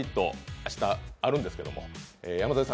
明日あるんですけど山添さん